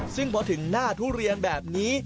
ซึ่งพอถึงหน้าทุเรียนแบบนี้